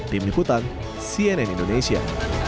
tim liputan cnn indonesia